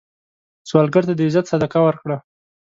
سوالګر ته د عزت صدقه ورکړه